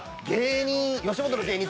吉本の芸人